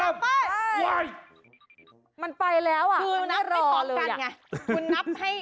มันไปแล้วอ่ะมันไม่รอเลยอ่ะคือนับไม่พอบกันไง